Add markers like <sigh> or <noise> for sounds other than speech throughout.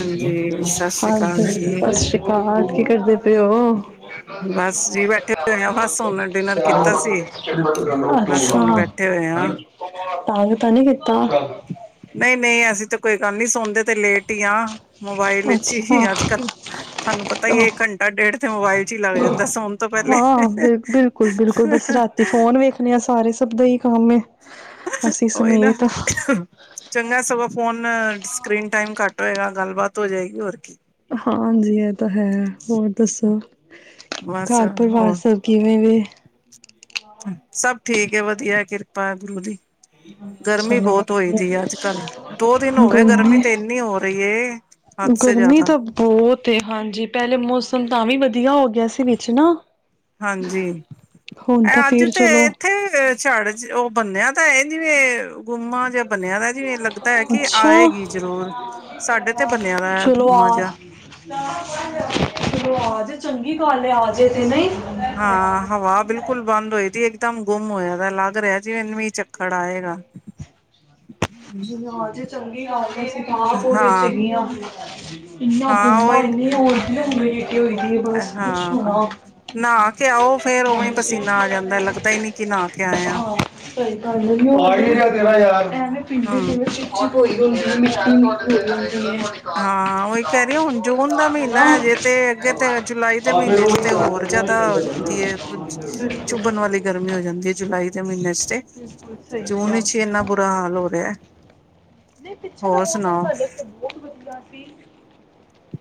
ਹਾਂਜੀ ਸਤਿ ਸ੍ਰੀ ਅਕਾਲ ਹਾਂਜੀ, ਜੀ ਸਤਿ ਸ੍ਰੀ ਕਾਲ, ਕੀ ਕਰਦੇ ਤੇ ਉਹ ਬਸ ਜੀ ਬੈਠੇ ਹੋਏ ਆ ਬਸ ਹੁਣ ਡਿਨਰ ਕੀਤਾ ਸੀ ਬਸ ਹੁਣ ਅੱਛਾ, ਬੈਠੇ ਹੋਏ ਆ ਤੰਗ ਤਾਂ ਨੀ ਕੀਤਾ? ਨਹੀਂ ਨਹੀਂ ਐਸੀਂ ਤਾਂ ਕੋਈ ਗੱਲ ਨਹੀਂ, ਸੌਦੇ ਤੇ ਲੇਟ ਈ ਆ। ਮੋਬਾਇਲ ਚ ਹੀ, ਅੱਛਾ ਅੱਜ ਕੱਲ੍ਹ ਤੁਆਨੂੰ ਪਤਾ ਹੀ ਏ ਘੰਟਾ ਡੇਢ ਤੇ ਮੋਬਾਇਲ ਚ ਈ ਲੱਗ ਜਾਂਦਾ, ਸੋਣ ਤੋਂ ਪਹਿਲੇ। ਹਾਂ ਬਿਲ ਬਿਲਕੁਲ ਸਭਦੇ <unintelligible> ਉਹੀ ਨਾ ਚੰਗਾ ਸਗੋਂ ਫੋਨ ਸਕਰੀਨ ਟਾਈਮ ਘੱਟ ਹੋਏਗਾ ਗੱਲਬਾਤ ਹੋ ਜਾਏਗੀ ਹੋਰ ਕੀ ਹਾਂਜੀ ਇਹ ਤਾਂ ਹੈ ਹੋਰ ਦੱਸੋ ਬਸ ਘਰ ਪਰਿਵਾਰ ਹੋਰ ਸਭ ਕਿਵੇਂ ਵੀ ਸਭ ਠੀਕ ਹੈ ਵਧੀਆ ਕਿਰਪਾ ਗੁਰੂ ਦੀ ਗਰਮੀ ਚਲੋ ਬਹੁਤ ਹੋਈ ਵੀ ਦੀ ਅੱਜ ਕੱਲ ਦੋ ਦਿਨ ਹੋ ਗਏ ਗਰਮੀ ਤੇ ਇੰਨੀ ਹੋ ਰਹੀ ਹੈ ਹੱਦ ਸੇ ਗਰਮੀ ਜ਼ਿਆਦਾ ਤਾਂ ਬਹੁਤ ਹਾਂਜੀ ਪਹਿਲੇ ਮੌਸਮ ਤਾਂ ਵੀ ਵਧੀਆ ਹੋ ਗਿਆ ਸੀ ਵਿੱਚ ਨਾ ਹਾਂਜੀ ਹੁਣ ਤਾਂ ਇਹ ਅੱਜ ਫੇਰ ਤੇ ਚਲੋ ਇੱਥੇ ਚੜ ਉਹ ਬੰਨ ਤਾਂ ਇਹ ਜਿਵੇਂ ਗੁੰਮਾ ਜਾਂ ਬਣਿਆ ਦਾ ਜਿਵੇਂ ਲੱਗਦਾ ਐ ਕਿ ਅੱਛਾ ਆਏਗੀ ਜ਼ਰੂਰ ਸਾਡੇ ਤੇ ਬਣਿਆ ਦਾ ਐ ਚਲੋ ਗੁੰਮਾ ਆ ਜਾ ਚਲੋ ਆਜੇ ਚੰਗੀ ਗੱਲ ਆਜੇ ਤੇ ਨਈ ਹਾਂ ਹਵਾ ਬਿਲਕੁਲ ਬੰਦ ਹੋਈ ਤੀ ਇਕਦਮ ਗੁੰਮ ਹੋਇਆ ਤਾਂ ਲੱਗ ਰਿਹਾ ਜਿਵੇਂ ਮੀਂਹ ਚੱਕੜ ਆਏਗਾ <unintelligible> ਚੰਗੀ ਗੱਲ ਅਸੀ <unintelligible> ਉਹਦੇ ਚ ਹਾਂ ਹੈਗੀ ਆ ਇਨਾ ਹਾਂ ਗੁਮ ਆ ਉਹੀ <unintelligible> ਆ ਬਸ ਪੁੱਛੋ ਨਾ ਹਾਂ ਨਹਾ ਕੇ ਆਓ ਫੇਰ ਉਵੇਂ ਹਾਂਜੀ ਪਸੀਨਾ ਆ ਜਾਂਦਾ ਲੱਗਦਾ ਹੀ ਨੀ ਕਿ ਨਹਾ ਕੇ ਆਏ ਆ ਹਾਂ ਸਹੀ ਗੱਲ ਕੀ ਆ ਤੇਰਾ ਯਾਰ ਐਵੇਂ ਪੀਂਦੇ ਹਮ <unintelligible> ਉੱਚੀ ਬੋਲਿਆ <inaudible> ਹਾਂ ਉਹੀ ਕਹਿ ਰਹੀ ਹੁਣ ਜੂਨ ਦਾ ਮਹੀਨਾ ਹਨਾ ਹੈਜੇ ਤੇ ਅੱਗੇ ਤੇ ਜੁਲਾਈ ਦੇ ਆ ਫਿਰ ਮਹੀਨੇ ਉਹ ਚ ਹੀ ਤੇ ਕਰਾਂ ਹੋਰ ਤੈਨੂੰ ਹੀ ਜਿਆਦਾ ਕਹਿੰਦਾ ਹੋ ਜਾਂਦੀ ਐ ਕੁਝ ਬਿਲਕੁਲ ਬਿਲਕੁਲ ਚੁੱਭਣ ਵਾਲੀ ਗਰਮੀ ਹੋ ਜਾਂਦੀ ਐ ਜੁਲਾਈ ਦੇ ਮਹੀਨੇ ਚ ਸਹੀ ਜੂਨ ਕਿਹਾ ਵਿਚ ਹੀ ਇੰਨਾ ਬੁਰਾ ਹਾਲ ਹੋ ਰਿਆ ਨਹੀਂ ਪਿੱਛੇ ਦਾ ਮੌਸਮ ਸਾਡੇ ਏਥੇ ਬਹੁਤ ਵਧੀਆ ਸੀ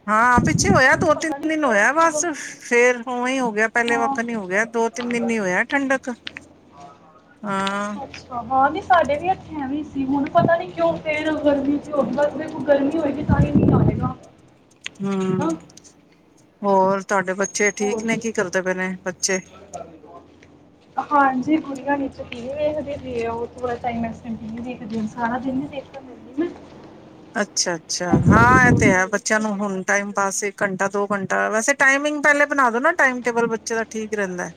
ਹਾਂ ਪਿੱਛੇ ਹੋਇਆ ਹੁਣ ਦੋ ਪਤਾ ਤਿੰਨ ਨਹੀਂ ਦਿਨ ਕਿਉਂ ਹੋਇਆ ਇੱਕੋ ਦਮ ਬਸ ਫੇਰ ਓਵੇਂ ਹੀ ਹੋ ਗਿਆ ਪਹਿਲੇ ਹਾਂ ਵੱਖ ਨੀ ਹੋ ਗਿਆ ਦੋ ਤਿੰਨ ਦਿਨ ਹੀ ਹੋਇਆ ਠੰਡਕ ਹਾਂ ਅੱਛਾ ਹਾਂ ਨਹੀਂ ਸਾਡੇ ਵੀ ਏਥੇ ਐਂ ਸੀ ਹੁਣ ਪਤਾ ਨੀ ਕਿਉਂ ਫਿਰ ਗਰਮੀ ਚ ਹੋਵੇ ਬਸ ਦੇੇ ਕੋ ਗਰਮੀ ਹੋਏਗੀ ਤਾਂ ਹੀ ਮੀਂਹ ਆਏਗਾ ਹੂੰ ਹਨਾ ਹੋਰ ਤੁਹਾਡੇ ਬੱਚੇ ਠੀਕ ਹੋਰ ਨੇ ਕੀ ਦੱਸੋ ਕਰਦੇ ਪਏ ਨੇ ਬੱਚੇ ਹਾਂਜੀ ਗੁੜੀਆ ਨੀਚੇ ਟੀਵੀ ਵੇਖਦੀ ਪਈ ਆ <unintelligible> ਸਾਰਾ ਦਿਨ ਨੀ ਦੇਖਣ ਦਿੰਦੀ ਮੈ ਅੱਛਾ-ਅੱਛਾ ਹਾਂ ਇਹ ਤੇ ਹੈ ਬੱਚਿਆਂ ਨੂੰ ਦੇਖੇਗੀ ਹੁਣ ਟਾਈਮ ਪਾਸ ਇੱਕ ਮਿੰਟ ਘੰਟਾ ਦੋ ਘੰ ਤਾਂ ਵੈਸੇ ਟਾਈਮਿੰਗ ਪਹਿਲੇ ਬਣਾ ਦੋ ਨਾ ਟਾਈਮ ਟੇਬਲ ਬੱਚੇ ਦਾ ਠੀਕ ਰਹਿੰਦਾ ਐ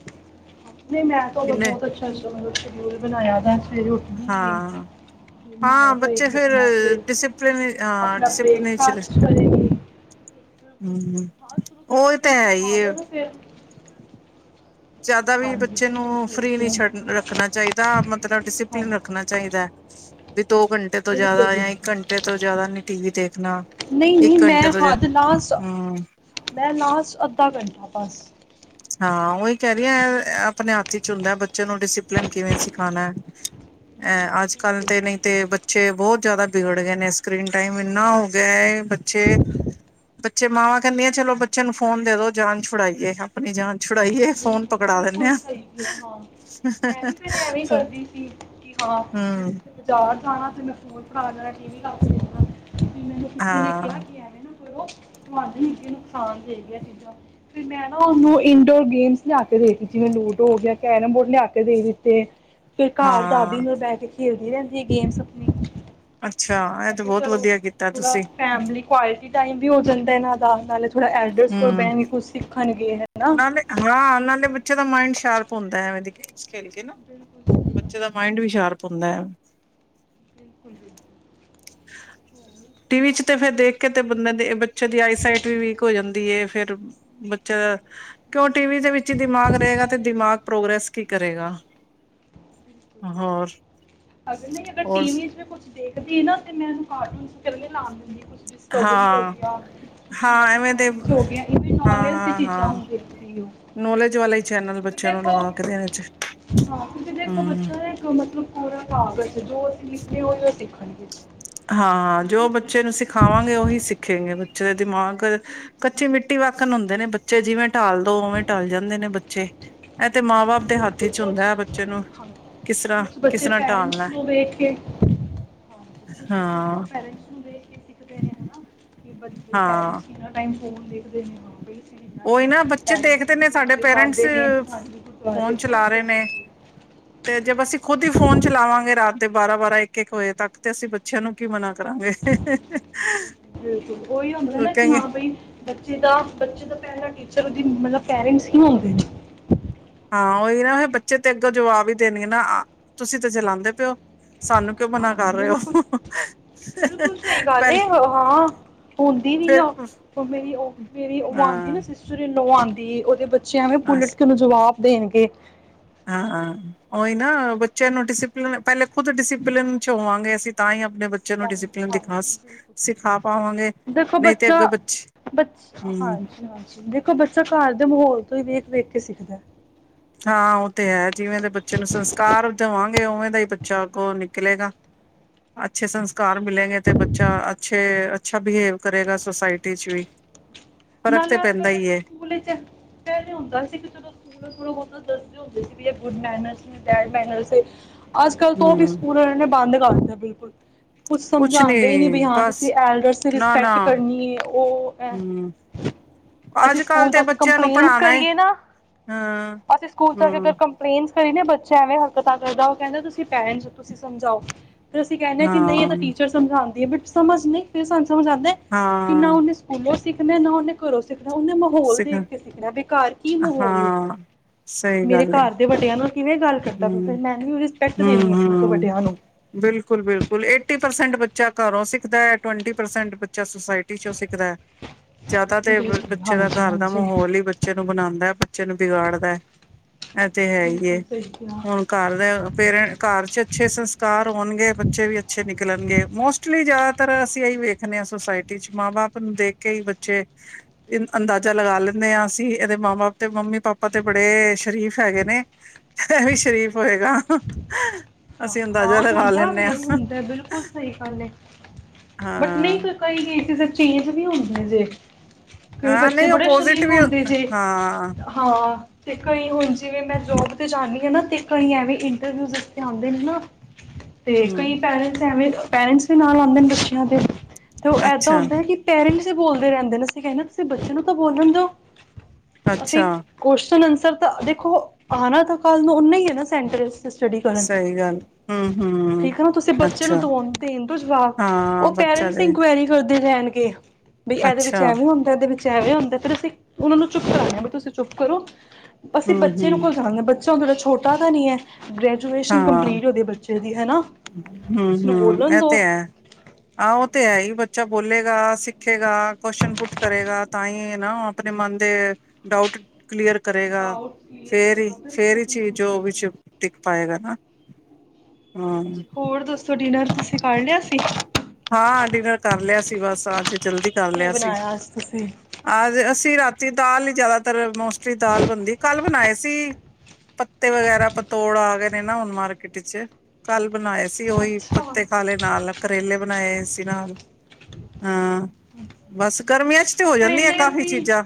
ਨਹੀਂ ਮੈਂ ਤਾਂ ਉਦੋਂ ਕਿੰਨੇ ਬਹੁਤ ਅੱਛਾ ਅੱਛਾ ਮਤਲਬ ਬਣਾਇਆ ਤਾਂ ਸਵੇਰੇ ਉੱਠਦੀ ਏ ਹਾਂ, ਫਿਰ ਨਾਏ ਹਾਂ ਬੱਚੇ ਧੋਏਗੀ ਫੇਰ ਆਪਣਾ ਫਿਰ ਡਿਸਿਪਲਿਨ ਹਾਂ ਆਪਣਾ ਡਿਸਿਪਲਿਨ ਚ ਬ੍ਰੇਕਫਾਸਟ ਕਰੇਗੀ ਹੂੰ ਹਾਂ ਸ਼ੁਰੂ ਤੋਂ ਹੀ ਉਹ ਬੱਚਿਆਂ ਤਾਂ ਨੂੰ ਹੈ ਹੀ ਸਿਖਾ ਏ। ਦੋ ਨਾ ਫਿਰ ਜ਼ਿਆਦਾ ਵੀ ਹਾਂਜੀ ਬੱਚੇ ਬਿਲਕੁਲ ਨੂੰ ਸਹੀ ਫਰੀ ਨਹੀਂ ਕਿਹਾ ਛੱਡ ਰੱਖਣਾ ਚਾਹੀਦਾ ਮਤਲਬ ਡਿਸਿਪਲਿਨ ਹਾਂਜੀ ਰੱਖਣਾ ਚਾਹੀਦਾ ਐ ਦੋ ਘੰਟੇ ਤੋਂ ਬਿਲਕੁਲ ਜ਼ਿਆਦਾ ਜਾਂ ਇੱਕ ਬਿਲਕੁਲ ਘੰਟੇ ਤੋਂ ਜ਼ਿਆਦਾ ਨੀ ਟੀ ਵੀ ਦੇਖਣਾ ਨਹੀਂ ਨਹੀਂ ਇੱਕ ਮੈਂ ਘੰਟੇ ਤੋਂ ਜ ਹੱਦ ਲਾਸਟ ਹੂੰ ਮੈਂ ਲਾਸਟ ਅੱਧਾ ਘੰਟਾ ਬਸ ਹਾਂ ਉਹੀ ਕਹਿ ਰਹੀ ਹ ਆਪਣੇ ਹੱਥ 'ਚ ਹੁੰਦਾ ਬੱਚੇ ਨੂੰ ਡਿਸਿਪਲਿਨ ਕਿਵੇਂ ਸਿਖਾਉਣਾ ਅੱ ਅੱਜ ਕੱਲ ਤੇ ਨਹੀਂ ਤੇ ਬੱਚੇ ਬਹੁਤ ਜ਼ਿਆਦਾ ਬਗੜ ਗਏ ਨੇ ਸਕਰੀਨ ਟਾਈਮ ਇੰਨਾ ਹੋ ਗਿਆ ਹੈ ।ਬੱਚੇ ਬੱਚੇ ਮਾਵਾਂ ਕਹਿੰਦੀਆਂ ਚਲੋ ਬੱਚੇ ਨੂੰ ਫੋਨ ਦੇਦੋ ਜਾਨ ਛੁਡਾਈਏ ਆਪਣੀ ਜਾਨ ਛੁਡਾਈਏ ਫੋਨ ਬਿਲਕੁਲ ਪਕੜਾ ਦਿੰਦੇ ਬਿਲਕੁਲ ਆ ਸਹੀ ਫੋ ਹਮ ਬਾਜ਼ਾਰ ਜਾਣਾ ਤੇ ਮੈਂ ਫੋਨ ਖ ਠੀਕ ਹੀ ਕਰ <unintelligible> ਮੈਨੂੰ ਕਿਸੇ ਨੇ ਕਿਹਾ ਹਾਂ ਕਿ ਐਵੇਂ ਨਾ ਕਰੋ ਤੁਹਾਡੀ ਨੁਕਸਾਨ ਦੇਗੀਆਂ ਚੀਜ਼ਾਂ ਮੈਂ ਨਾ ਉਹਨੂੰ ਇੰਡੋਰ ਗੇਮਸ ਜਾ ਕੇ ਦੇੇਖ ਮੈਂੂੰ <unintelligible> ਹੋ ਗਿਆ ਕੈਰਮ ਬੋਰਡ ਲਿਆ ਕੇ ਦੇ ਦਿੱਤੇ ਫਿਰ ਘਰ ਦਾਦੀ ਹਾਂ ਨੂੰ ਬਹਿ ਕੇ ਖੇਲਦੀ ਰਹਿੰਦੀ ਹੈ ।ਗੇਮਸ ਆਪਣੀ ਅੱਛਾ ਇਹ ਤੇ ਕਿਹਾ ਬਹੁਤ ਚਲੋ ਵਧੀਆ ਕੀਤਾ ਥੋੜਾ ਤੁਸੀਂ ਫੈਮਿਲੀ ਕੁਆਲਿਟੀ ਟਾਈਮ ਵੀ ਹੋ ਜਾਂਦਾ ਇਹਨਾਂ ਦਾ ਨਾਲ ਥੋੜ੍ਹਾ ਐਡਰਸ ਕੋਲ ਹਮ ਬਹਿਣ ਕੇ ਕੁਛ ਸਿੱਖਣਗੇ ਹੈ। ਨਾ ਹਾਂ <unintelligible> ਬੱਚੇ ਦਾ ਮਾਇੰਡ ਸ਼ਾਰਪ ਹੁੰਦਾ ਖੇਲ ਕੇ ਨਾ ਬਿਲਕੁਲ ਸਹੀ ਗੱਲ ਬੱਚੇ ਦਾ ਹੈ। ਮਾਇੰਡ ਵੀ ਸ਼ਾਰਪ ਹੁੰਦਾ ਹੈ। ਬਿਲਕੁਲ <inaudible> ਟੀਵੀ'ਚ ਤੇ ਫੇਿਰ ਦੇਖ ਕੇ ਤੇ ਬੰਦੇ ਦੇ ਇਹ ਬੱਚ ਜਲਦੀ ਆਈਸਾਈਟ ਵੀਕ ਹੋ ਜਾਂਦੀ ਫਿਰ ਬੱਚੇ ਦਾ ਕਿਉਂ ਟੀਵੀ ਦੇ ਵਿੱਚ ਹੀ ਦਿਮਾਗ ਰਹੇਗਾ ਤੇ ਦਿਮਾਗ ਪ੍ਰੋਗਰੈਸ ਕੀ ਕਰੇਗਾ ਹੋਰ ਅਗਰ ਨਹੀਂ ਅਗਰ ਹੋਰ ਟੀ ਵੀਜ ਕੁਛ ਦੇਖਦੀ ਨਾ ਤੇ ਮੈਂ ਕਾਰਟੂਨਲੇ ਲਾਉਣ ਦਿੰਦੀ ਡਿਸਕਵਰੀ ਹੋ ਹਾਂ ਗਿਆ ਕੁਛ ਹਾਂ ਐਵੇਂ ਦੇ ਮੈਥਾਮੈਟਿਕਸ ਹੋ ਗਿਆ ਇਹਵੇਂ ਹਾਂ ਨੌਲੇਜ ਦੀ ਹਾਂ ਚੀਜ਼ਾਂ ਹਾਂ ਹ ਦੇਖਦੀ ਹੋ। ਨੌਲੇਜ ਵਾਲਾ ਹੀ ਚੈਨਲ ਬੱਚਿਆਂ ਨੂੰ ਦੇਖੋ ਲਗਾ ਕੇ ਦੇਣੇ ਚ ਹਾਂ ਕਿਂ ਦੇਖੋ ਹਮ ਬੱਚਾ ਇੱਕ ਮਤਲਬ ਪੂਰਾ ਕਗਰ ਜੋ <unintelligible> ਸਿਖਣੀ ਹੋਈ ਉਹ ਸਿੱਖਣ ਜੋ ਬੱਚੇ ਨੂੰ ਸਿਖਾਵਾਂਗੇ ਉਹੀ ਸਿੱਖੇਗੇ ਬੱਚੇ ਦੇ ਦਿਮਾਗ ਬਿਲਕੁਲ ਕੱਚੀ ਮਿੱਟੀ ਵਾਕਣ ਹੁੰਦੇ ਨੇ ਬੱਚੇ ਜਿਵੇਂ ਢਾਲ ਦੋ ਉਵੇਂ ਢਲ ਜਾਂਦੇ ਨੇ ਬੱਚੇ ਤੇ ਮਾਂ ਬਾਪ ਦੇ ਹੱਥ ਬਿਲਕੁਲ ਵਿਚ ਹੁੰਦਾ ਹੈ। ਬੱਚੇ ਨੂੰ ਕੁਝ ਹਾਂ ਕਿਸ ਤਰ੍ਹਾਂ ਕੁਝ ਕਿਸ ਬੱਚੇ ਤਰ੍ਹਾਂ ਪੈਰੈਂਟਸ ਢਾਲਣਾ ਮਤਲ ਹਾਂ ਦੇਖੋ ਪੈਰੈਂਟਸ ਹੁੰਦੇ ਬੱਚੇ ਹਾਂ ਪੈਰੈਂਟਸਨਾ ਟਾਈਮ ਫਨ ਦੇਖਦੇ ਨੇ ਬੰਬਈ <unintelligible> ਉਹੀ ਨਾ ਬੱਚੇ ਦੇਖਦੇ ਨੇ ਸਾਡੇ ਪੇਰੈਂਟਸ ਜਾਂਦੇ ਨੇ ਹਾਂਜੀ ਗੁਰਦੁਆਰੇ ਫੌਨ ਚਲਾ ਰਹੇ ਬਿਲਕੁਲ ਨੇ, ਬਿਲਕੁਲ ਤੇ ਜਬ ਅਸੀ ਖੁਦ ਹੀ ਫੋਨ ਚਲਾਵਾਂ ਗੇ ਰਾਤ ਦੇ ਬਾਰਾਂ ਬਾਰਾਂ ਇੱਕ ਇੱਕ ਵਜੇ ਤੱਕ ਤੇ ਅਸੀ ਬੱਚਿਆਂ ਨੂੰ ਕੀ ਮਨਾ ਕਰਾਂਗੇ ਬਿਲਕੁਲ ਉਹੀ ਹੁੰਦਾ ਨਾ ਕਿ ਕਹਗੇ ਹਾਂ ਬਈ ਬੱਚੇ ਦਾ ਬੱਚੇ ਦਾ <inaudible> ਹਾਂ ਉਹੀ ਨਾ ਬੱਚੇ ਤੇ ਅੱਗੋ ਜਵਾਬ ਹੀ ਦੇਣਗੇ ਨਾ ਤੁਸੀ ਤੇ ਚਲਾਉਂਦੇ ਪਿਓ ਸਾਨੂੰ ਕਿਉਂ ਹਾਂ ਮਨਾ ਕਰ ਰਹੇ ਬਿਲਕੁਲ ਹੋ ਬਿਲਕੁਲ ਸਹੀ ਗੱਲ ਪਹਿਲੇ ਹਾਂ, ਆਦੀ ਵੀ ਆ ਫਿਰ ਮੇਰੀ ਉਹ ਮੇਰੀ ਉਹ ਆਉਂਦੀ ਹਾਂ ਨਾ ਸਿਸਟ ਆਉਂਦੀ ਉਹਦੇ ਬ ਚੇ ਐਵੇ ਅ ਪੁਲਟ ਕੇ ਜਵਾਬ ਦੇਣਗੇ। ਹਾਂ ਉਹੀ ਨਾ ਬੱਚਿਆਂ ਨੂੰ ਡਿਸਿਪਲਿਨ ਪਹਿਲੇ ਖੁੱਦ ਡਿਸਿਪਲਿਨ ਚ ਹੋਵਾਂਗੇ ਅਸੀ ਤਾਂ ਹੀ ਆਪਣੇ ਬੱਚਿਆਂ ਨੂੰ ਹਾਂ ਡਿਸਪਲਿਨ ਹਾਂ ਦਿਖਾ ਬਿਲਕੁਲ ਸਿਖਾ ਪਾਵਾਂਗੇ ਦੇਖੋ ਨਹੀ ਤੇ ਬੱਚਾ ਅੱਗੇ ਬੱਚੇ ਬੱਚ ਹਮ ਹਾਂਜੀ ਹਾਂਜੀ ਦੇਖੋ ਬੱਚਾ ਘਰ ਦੇ ਮਾਹੌਲ ਤੋ ਹੀ ਵੇਖ ਵੇਖ ਕੇ ਸਿੱਖਦਾ ਹੈ। ਹਾਂ ਉਹ ਤੇ ਹੈ। ਜਿਵੇਂ ਦੇ ਬੱਚੇ ਨੂੰ ਸੰਸਕਾਰ ਦਵਾ ਉਵੇਂ ਦਾ ਹੀ ਬੱਚਾ ਅੱਗੋ ਨਿਕਲੇਗਾ, ਅੱਛੇ ਸੰਸਕਾਰ ਮਿਲੇਗੇ ਤੇ ਬੱਚਾ ਅੱਛੇ ਅੱਛਾ ਬਿਹੇਵ ਕਰੇਗਾ ਸੁਸਾਇਟੀ ਚ ਵੀ। ਫ਼ਰਕ ਨਾਲੇ ਤੇ ਅੱਜ ਪੈਂਦਾ ਕੱਲ੍ਹ ਹੀ ਵੇਖੋ ਹੈ ਸਕੂਲ ਵਿੱਚ ਪਹਿਲੇ ਹੁੰਦਾ ਸੀ ਕਿ ਜਦੋ ਸਕੂਲ ਥੋੜਾ ਬਹੁਤਾ ਦੱਸਦੇ ਹੁੰਦੇ ਸੀ ਵੀ ਗੁੱਡ ਮੈਨਰਸ ਬੈਡ ਮੈਨਰਸ ਏ ਅੱਜ-ਕੱਲ੍ਹ ਤੋਂ ਉਹ ਵੀ ਹਮ ਸਕੂਲ ਅਲੇਆ ਨੇ ਬੰਦ <unintelligible> ਕੁਛ ਸਮਝਾਂਦੇ ਹੀ ਨੀ ਬ ਹਾਂ ਬਸ ਤੁਸੀ ਐਲਡਰ ਦੀ ਨਾ ਨਾ ਰਿਸਪੈਕਟ ਕਰਨੀ ਹੈ ਉਹ ਹੈਂ ਹਮ ਅਸੀ ਅੱਜ ਕੱਲ ਸਕੂਲ ਤੇ ਜਾ ਕੇ ਬੱਚਿਆਂ ਨੂੰ ਕੰਪਲੇਂਨਸ ਪੜ੍ਹਾਣਾ ਹੀ ਕਰੀਏ ਨਾ, ਹਾਂ ਅਸੀਂ ਸਕੂਲ ਜਾ ਕੇ ਫਿਰ ਹਮ ਕੰਪਲੇਂਨ ਕਈ ਨ ਬੱਚੇ ਐਵੇਂ ਹਰਕਤਾਂ ਕਰਦਾ ਉਹ ਕਹਿੰਦੇ ਤੁਸੀ ਪੈਰੈਂਟਸ ਹੋ ਤੁਸੀਂ ਸਮਝਾਓ। ਤੇ ਅਸੀ ਕਹਿੰਦੇ ਹਾਂ ਨਹੀ ਇਹ ਤਾਂ ਟੀਚਰ ਸਮਝਾਉ। ਬਟ ਸਮਝ ਨਹੀਂ ਆਉਂਦੀ ਸਾਨੂੰ ਸਮਝਾਂਦੇ ਕਿਨਾ ਹਾਂ ਉਨੇ ਸਕੂਲੋ ਸਿੱਖਣੇ ਨ ਆਪਣੇ ਘਰੋਂ ਸਿੱਖੋ ਉਹਨੇ ਮਾਹੌਲ ਸਿਖ ਦੇਖ ਕੇ ਸਿੱਖਣਾ ਬਿ ਘਾਰ ਕੀ ਮਾਹੌਲ ਨੇ, ਹਾਂ ਮੇਰੇ ਘਰ ਦੇ ਵੱਡਿਆਂ ਨੂੰ ਹਮ, ਦੇਣੀ ਹੈ ਆਪਣੇ ਤੋਂ ਹਮ-ਹਮ ਵੱਡਿਆਂ ਨੂੰ ਬਿਲਕੁਲ-ਬਿਲਕੁਲ ਏਟੀ ਪਰਸੈਂਟ ਬੱਚਾ ਘਰੋਂ ਸਿੱਖਦਾ ਹੈ, ਟਵੰਟੀ ਪਰਸੈਂਟ ਬੱਚਾ ਸੁਸਾਇਟੀ ਚੋਂ ਸਿੱਖਦਾ ਹੈ, ਜ਼ਿਆਦਾ ਤੇ ਬਿਲਕੁਲ ਬੱਚੇ ਦਾ ਹਾਂਜੀ ਘਰ ਦਾ ਹਾਂਜੀ ਮਾਹੌਲ ਹੀ ਬੱਚੇ ਨੂੰ ਬਣਾਉਦਾ, ਬੱਚੇ ਨੂੰ ਬਿਗਾੜਦਾ, ਇਹ ਤੇ ਹੈ ਹੀ। ਬਿਲਕੁਲ ਸਹੀ ਕਿਹਾ ਹੁਣ ਘਰ ਦੇ ਪੇਰਂ, ਘਰ ਚ ਅੱਛੇ ਸੰਸਕਾਰ ਹੋਣਗੇ ਬੱਚੇ ਵੀ ਅੱਛੇ ਨਿਕਲਣਗੇ ਮੋਸਟਲੀ ਜਾ ਜ਼ਿਆਦਾਤਰ ਅਸੀਂ ਇਹੀ ਵੇਖਣੇ ਹਾਂ ਸੋਸਾਇਟੀ ਚ ਮਾਂ ਬਾਪ ਨੂੰ ਦੇਖ ਕੇ ਹੀ ਬੱਚੇ, ਅੰਦਾਜ਼ਾ ਲਗਾ ਲੈਂਦੇ ਹਾਂ ਅਸੀਂ ਇਹਦੇ ਮਾਂ ਬਾਪ ਤੇ ਮੰਮੀ ਪਾਪਾ ਤੇ ਬੜੇ, ਸ਼ਰੀਫ਼ ਹੈਗੇ ਨੇ ਏਹ ਵੀ ਸ਼ਰੀਫ ਹੋਏਗਾ ਅਸੀਂ ਅੰਦਾਜ਼ਾ ਹਾਂ ਲਗਾ ਹੁੰਦਾ ਲੈਂਦੇ ਹਾਂ ਵੇ ਹੁੰਦਾ, ਬਿਲਕੁਲ ਸਹੀ ਗੱਲ ਹੈ ਬਟ ਨਹੀਂ ਹਾਂ ਫਿਰ <inaudible> ਹੀ ਗਈ ਚੀਜ਼ ਵੀ ਹੁੰਦੀ ਦੇਖ ਹਾਂ, ਨਹੀਂ ਓਪੋਜਿਟ ਵੀ ਹਾਂ, ਅਤੇ ਕਈ ਹੁਣ ਜਿਵੇਂ ਮੈਂ ਜੋਬ 'ਤੇ ਜਾਂਦੀ ਹਾਂ ਨਾ ਅਤੇ ਕਈ ਐਵੇਂ ਇੰਟਰਵਿਊ ਤੇ ਆਉਂਦੇ ਨੇ ਨਾ, ਤੇ ਹਮ ਕਈ ਪੈਰੈਂਟਸ ਐਵੇਂ, ਪੇਰੈਂਟਸ ਵੀ ਨਾਲ ਆਉਂਦੇ ਨੇ ਬੱਚਿਆਂ ਦੇ ਤੇ ਉਹ ਏਦਾਂ ਅੱਛਾ ਹੁੰਦਾ ਹੈ ਕਿ ਪੈਰਿਸ ਬੋਲਦੇ ਰਹਿੰਦੇ ਨੇ ਅਸੀਂ ਕਹਿੰਦੇ ਤੁਸੀਂ ਬੱਚੇ ਨੂੰ ਤਾਂ ਬੋਲਣ ਦਿਓ- ਅਸੀਂ ਅੱਛਾ ਕੁਸ਼ਚਨ ਆਨਸਰ ਸਰ ਤਾਂ ਦੇਖੋ ਆਣਾ ਤਾਂ ਕੱਲ ਨੂੰ ਓਨਾ ਹੀ ਹੈ ਨਾ ਸੈਂਟਰ ਸਟੱਡੀ ਸਹੀ ਗੱਲ ਹਮ ਹਮ ਠੀਕ ਹੈ ਨਾ ਤੁਸੀਂ ਬੱਚੇ ਨੂੰ ਅੱਛਾ ਦਵਾਉਣ ਦੇਣ ਦੋ ਜਵਾਬ, ਹਾਂ ਉਹ ਬੱਚਾ ਪੇਰੈਂਟਸ ਦੇ ਇਨਕੁਆਇਰੀ ਕਰਦੇ ਰਹਿਣਗੇ ਬਈ ਇਹਦੇ ਵਿੱਚ ਅੱਛਾ ਐਵੇਂ ਹੁੰਦਾ ਇਹਦੇ ਵਿੱ ਵੇ ਹੁੰਦੇ ਫਿਰ ਅਸੀਂ ਉਹਨਾਂ ਨੂੰ ਚੁੱਪ ਕਰਾਂਦੇ ਵੀ ਤੁਸੀਂ ਚੁੱਪ ਕਰੋ, ਅਸੀਂ ਹਮ ਬੱਚੇ ਨੂੰ ਹਮ ਕੋਲ ਜਾਣਗੇ ਬੱਚਾ ਹ ਤੁਹਾੜਾ ਛੋਟਾ ਪਤਾ ਨਹੀਂ ਇਹ ਗਰੈਜੂਏਟ ਕੰਪਲੀਟ ਹੋਦੇ ਬੱਚੇ ਦੀ ਹਨਾ, ਹੁ, ਹੂ, ਇਹ ਤੇ ਹੈ, ਆਹੋ ਤੇ ਹੈ ਹੀ ਬੱ ਬੱਚਾ ਬੋਲੇਗਾ, ਸਿੱਖੇਗਾ, ਕੁਸ਼ਚਨ ਪੁੱਟ ਕਰੇਗਾ, ਤਾਂ ਹੀ ਨਾ ਉਹ ਆਪਣੇ ਮਨ ਦੇ ਡਾਊਟ ਕਲੀਅਰ ਕਰੇਗਾ, ਡਾਊਟ ਕਲੀਅਰ ਫੇਰ ਹੀ ਕਰੇਗਾ ਫੇਰ ਬਿਲਕੁਲ ਹੀ ਬਿਲਕੁਲ ਚੀਜ਼ ਸਹੀ ਵਿੱਚ ਕਿਹਾ। ਟਿਕ ਪਾਏਗਾ ਨਾ, ਹਾਂ। ਹੋਰ ਦੋਸਤੋ' ਡਿਨਰ'ਤੁਸੀਂ ਕਰ ਲਿਆ ਸੀ। ਹਾਂ ਡਿਨਰ ਕਰ ਲਿਆ ਸੀ, ਬਸ ਅੱਜ ਜਲਦੀ ਕਰ ਕੀ ਲਿਆ ਸੀ, ਬਣਾਇਆ ਅੱਜ ਤੁਸੀਂ ਅਜ ਅਸੀਂ ਰਾਤੀ ਤੇ ਦਾਲ ਹੀ ਜਿਆਦਾਤਰ ਮੋ ਤੇ ਦਾਲ ਬਣਦੀ ਕੱਲ ਬਣਾਏ ਸੀ। ਜੀ, ਪੱਤੇ ਵਗੈਰਾ ਪਤੋੜ ਆ ਗਏ ਨੇ ਨਾ ਹੁਣ ਮਾਰਕੀਟ ਚ, ਕੱਲ ਬਣਾਏ ਸੀ ਉਹੀ ਅੱਛਾ ਪੱਤੇ ਖਾਲੇ ਨਾਲ ਕਰੇਲੇ ਬਣਾਏ ਸੀ ਨਾਲ ਹਾਂ, ਬਸ ਗਰਮੀਆਂ ਚ, ਤੇ ਹੋ ਜਾਂਦੀਆਂ ਕਰੇਲੇ ਕਾਫ਼ੀ ਅਸੀਂ, ਚੀਜ਼ਾਂ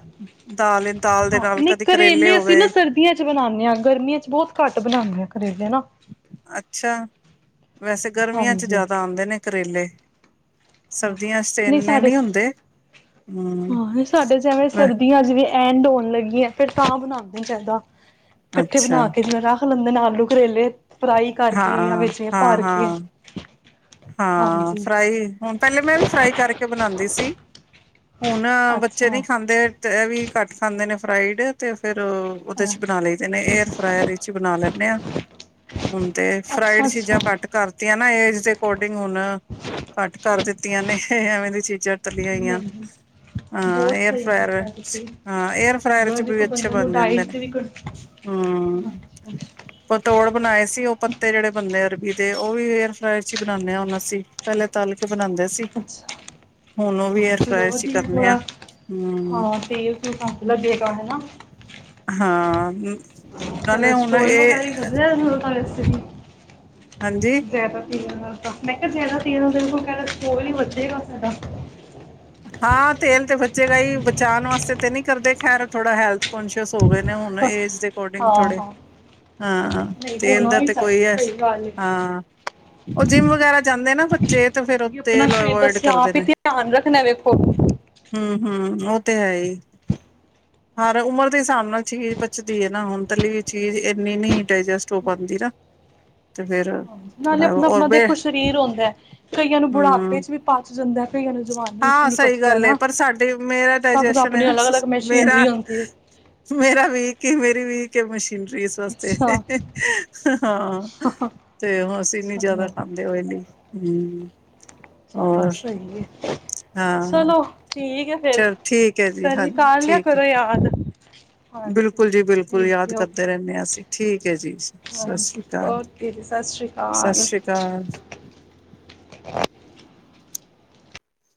ਦਾਲ ਦਾਲ ਦੇ ਹਾਂ ਨਾਲ ਨਹੀਂ ਕਦੇ ਕਰੇਲੇ ਹੋ ਅਸੀਂ ਨਾ ਗਏ ਸਰਦੀਆਂ ਚ ਬਣਾਉਦੇ ਹਾਂ ਗਰਮੀਆਂ ਚ ਬਹੁਤ ਘੱਟ ਬਣਾਉਂਦੇ ਹਾਂ। ਕਰੇਲੇ ਨਾ ਅੱਛਾ ਵੈਸੇ ਗਰਮੀਆਂ ਚ ਹਾਂਜੀ ਜਿਆਦਾ ਆਉਂਦੇ ਨੇ ਕਰੇਲੇ ਸਬਜ਼ੀਆਂ ਇੰਨੇ ਨਹੀਂ ਹੁੰਦੇ ਹਮ ਹਾਂ ਸਾਡੇ ਜਿਵੇਂ ਸਰਦੀਆਂ ਚ ਵੀ ਐਂਡ ਹੋਣ ਲੱਗੀ ਹੈ ਫਿਰ ਤਾਂ ਬਣਾਉਦੇ ਚਾਹੀਦਾ ਇਕੱਠੇ ਅੱਛਾ ਬਣਾ ਕੇ ਜ਼ਰਾ ਖਲੰਦੇ ਨੇ ਆਲੂ ਕਰੇਲੇ ਫਰਾਈ ਹਾਂ ਕਰਕੇ ਜਾਂ ਵੇੇ ਹਾਂ ਭਰ ਕੇ ਹਾਂ ਹਾਂ ਹਾਂਜੀ ਫਰਾਈ ਹੁਣ ਪਹਿਲੇ ਮੈਂ ਵੀ ਫਰਾਈ ਕਰਕੇ ਬਣਾਉਂਦੀ ਸੀ ਹੁਣ ਬੱਚੇ ਨੀ ਅੱਛਾ ਖਾਂਦੇ ਤੇ ਇਹ ਵੀ ਘੱਟ ਖਾਂਦੇ ਨੇ ਫਰਾਈਡ ਤੇ ਫੇਰ ਉਹਦੇ ਚ ਬਣਾ ਲਈਦੇ ਨੇ ਏਅਰ ਫਰਾਾਇਰ ਚ ਬਣਾ ਲੈਂਦੇ ਹਾਂ ਹੁਣ ਤੇ ਫਰਾਈਡ ਅੱਛਾ ਚੀਜ਼ਾਂ ਅੱਛਾ ਕੱਟ ਕਰਤੀਆਂ ਇਹਏ ਅਕੋਡਿੰਗ ਹੁਣ ਘੱਟ ਕਰ ਦਿੱਤੀਆਂ ਨੇ ਐਵੇਂ ਦੀ ਚੀਜ਼ਾਂ ਪਤਲੀਆਂਈਆਂ ਨਹੀਂ ਹਾਂ ਬਹੁਤ ਏਅਰ ਸਹੀ ਫਰਾਇਰ ਕੀਤਾ ਤੁਸੀਂ ਹਾਂ ਏਅਰ ਫਰਾਇਰ ਬ ਚ ਵੀ ਦੇਖੋ ਅੱਛੇ ਬੰਦੇ ਨੂੰ ਬਣ ਜਾਂਦੇ ਡਾਇਟ ਨੇ ਤੇ ਵੀ ਹਮ ਪਤੋੜ ਬਣਾਏ ਸੀ ਉਹ ਪੱਤੇ ਜਿਹੜੇ ਬੰਦੇ ਅਰਬੀ ਦੇ ਉਹ ਵੀ ਏਅਰ ਫ ੀ ਬਣਾਉਦੇ ਹਾਂ ਹੁਣ ਅਸੀਂ ਪਹਿਲ ਤ ਕੇ ਬਣਾਉਂਦੇ ਸੀ ਅੱਛਾ ਹੁਣ ਉਹ ਵੀ ਹਾਂ ਏਅਰ ਫਰਾਈ ਚਲੋ ਅਸੀਂ ਵਧੀਆ ਕਰਨੇ ਹ ਥੋੜਾ ਹਮ ਹਾਂ ਤੇਲ ਤੂਲ ਘੱਟ ਲੱਗੇਗਾ ਹਾਂ ਹਮ ਚਲ ਸਟੋਲ ਵਗਾਾਈ ਬਦੋ ਹ ਹਾਂਜੀ ਜ਼ਿਆਦਾ ਪੀ ਮੈਂ ਕਿਹਾ ਜ਼ਿਆਦਾ ਤੇਰ ਦੇਖ ਕੋਲ ਕਹਿੰਦਾ ਸਕੋਲ ਨੀ ਵਚੇਗਾ ਸਾਡ ਹਾਂ ਤੇਲ ਤੇ ਬਚੇਗਾ ਹੀ ਬਚਾਉਣ ਵਾਸਤੇ ਤੇ ਨਹੀਂੀ ਕਰਦੇ ਖੈਰ ਥੋੜਾ ਹੈਲਥ ਅਸ ਹੋ ਗਏ ਨੇ ਹੁਣ ਏਜ ਦੇ ਅਕੋਰਡਿੰਗ ਹਾਂ ਥੋੜੇ ਹਾਂ ਹਾਂ ਨਹੀਂ ਤੇਲ ਹੋਣਾ ਦਾ ਵੀ ਤੇ ਕੋਈ ਚਾਹੀਦਾ ਹੈ ਸਹੀ ਗੱਲ ਹੈ ਹਾਂ ਉਹ ਜਿੰਮ ਵਗੈਰਾ ਜਾਂਦੇ ਨਾ ਬੱਚੇ ਤੇ ਫਿਰ ਤੇਲ ਅਵੋਇਡ ਕਰਦੇ ਨੇ ਣਾ ਦੇਖੋ ਹੂੰ ਉਹ ਤੇ ਹੈ ਹੀ ਹਾਂਾਰ ਉਮਰ ਦੇ ਹਿਸਾਬ ਨਾਲ ਚੀਜ਼ ਪਚਦੀ ਹੈ ਨਾ ਹੁਣ ਤਾਂ ਲਈ ਚੀਜ਼ ਇੰਨੀ ਨੀ ਡੈਜਸਟ ਹੋ ਪਾਉਂਦੀ ਨਾ ਤੇ ਫੇਰ ਹਾਂ ਨਾਲੇ ਥੋੜਾ ਆਪਣਾ ਔਰ ਆਪਣਾ ਬੇ ਦੇਖੋ ਸਰੀਰ ਆਉਂਦਾ ਕਈਆਂ ਨੂੰ ਬੁਢਾਪੇ ਹੂੰ ਚ ਵੀ ਪਚ ਜਾਂਦਾ ਕਈਆਂ ਨੂੰ ਜਵਾਨੇ ਚ ਵੀ ਹਾਂ ਨੀ ਸਹੀ ਪਚਦਾ ਗੱਲ ਹੈ ਨਾ ਪਰ ਸਾਡੇ ਮੇਰਾ ਸਭ ਦਾ ਡਾਇਜੈਸ਼ਨ ਹੈ ਆਪਣੇ ਨਾ ਅਲੱਗ ਅਲੱਗ ਮ ਮੇਰਾ ਮੇਰਾ ਵੀ ਕੀ ਮੇਰੀ ਵੀ <unintelligible> ਵਾਸਤੇ ਅੱਛਾ ਹਾਂ ਤੇ ਹ ਅਸੀਂ ਇਨੀ ਜਿਆਦਾ ਚਲੋ ਖਾਂਦੇ ਹੋ ਇਨੀ ਹਮ ਚਲੋ ਹੋਰ ਸਹੀ ਹੈ ਹਾਂ ਚਲੋ <unintelligible> ਚਲ ਠੀਕ ਹੈ ਜੀ ਫਿਰ ਨ ਹਾਂਜੀ ਕਰ ਲਿਆ ਠੀਕ ਹੈ ਕਰੋ ਯਾਦ ਹਾਂਜੀ ਬਿਲਕੁਲ ਜੀ ਬਿਲਕੁਲ ਠੀਕ ਯਾਦ ਹੈ ਕਰਦੇ ਓਕੇ ਰਹਿੰਦੇ ਹਾਂ ਅਸੀਂ ਠੀਕ ਠੀਕ ਜੀ ਸਤਿ ਹਾਂਜੀ ਸ੍ਰੀ ਅਕਾਲ ਓਕੇ ਜੀ ਸਤਿ ਸ਼੍ਰੀ ਸਤਿ ਅਕਾਲ ਸ੍ਰੀ ਅਕਾਲ